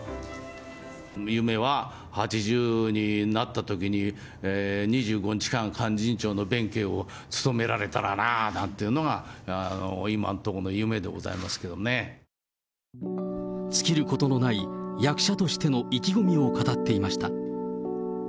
夢は８０になったときに、２５日間、勧進帳の弁慶を務められたらなあなんていうのが、今のところの夢尽きることのない役者としての意気込みを語っていました。